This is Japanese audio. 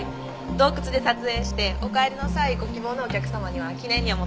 洞窟で撮影してお帰りの際ご希望のお客様には記念にお求め頂いてます。